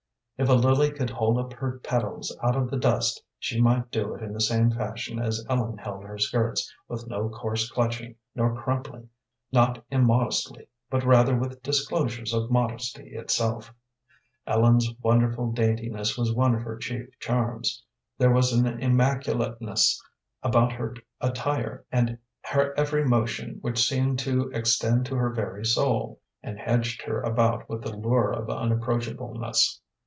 If a lily could hold up her petals out of the dust she might do it in the same fashion as Ellen held her skirts, with no coarse clutching nor crumpling, not immodestly, but rather with disclosures of modesty itself. Ellen's wonderful daintiness was one of her chief charms. There was an immaculateness about her attire and her every motion which seemed to extend to her very soul, and hedged her about with the lure of unapproachableness.